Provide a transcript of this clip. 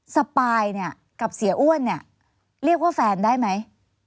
สปายเนี่ยกับเสียอ้วนเนี่ยเรียกว่าแฟนได้ไหม